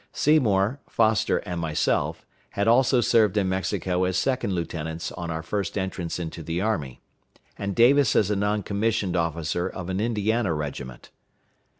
Seymour, Foster, and myself had also served in Mexico as second lieutenants on our first entrance into the army, and Davis as a non commissioned officer of an Indiana regiment.